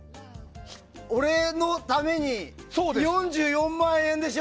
俺のために４４万円でしょ？